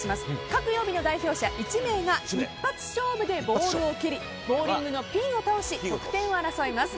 各曜日の代表者１名が一発勝負でボールを蹴りボウリングのピンを倒し得点を競います。